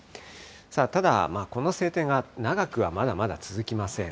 ただ、この晴天が長くはまだまだ続きません。